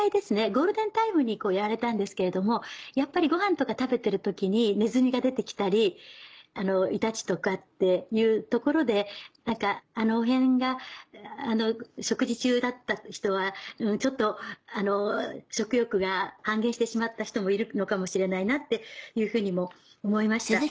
ゴールデンタイムにやられたんですけれどもやっぱりごはんとか食べてる時にネズミが出て来たりイタチとかっていうところであのへんが食事中だった人はちょっと食欲が半減してしまった人もいるのかもしれないなっていうふうにも思いました。